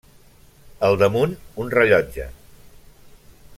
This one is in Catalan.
Al damunt un rellotge.